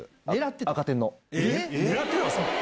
狙ってたんですか？